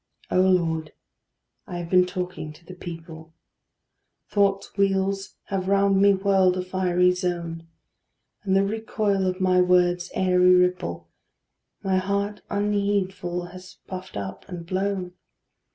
O Lord, I have been talking to the people; Thought's wheels have round me whirled a fiery zone, And the recoil of my words' airy ripple My heart unheedful has puffed up and blown.